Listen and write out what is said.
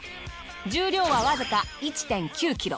重量はわずか１．９キロ。